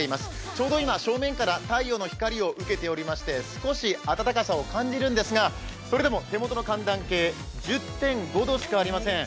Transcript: ちょうど今、正面から太陽の光を受けていまして少し暖かさを感じるんですが、それでも手元の寒暖計１０．５度しかありません。